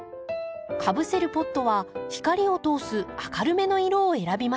かぶせるポットは光を通す明るめの色を選びましょう。